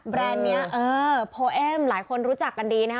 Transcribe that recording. แบรนด์เนี่ยเออโพเอมหลายคนรู้จักกันดีนะครับ